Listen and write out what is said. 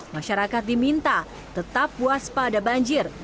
masyarakat diminta tetap waspada banjir